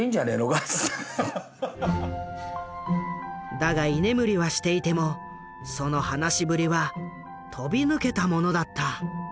だが居眠りはしていてもその話しぶりは飛び抜けたものだった。